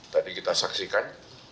tadi kita saksikan